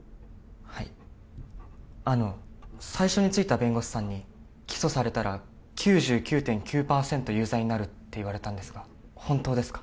はいあの最初についた弁護士さんに起訴されたら９９．９パーセント有罪になるって言われたんですが本当ですか？